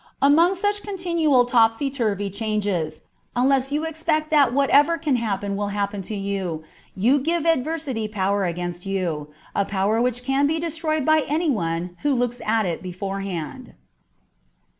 Among such continual topsy turvy changes, unless you expect that whatever can happen will happen to you, you give adversity power against you, a power which can be destroyed by any one who looks at it beforehand.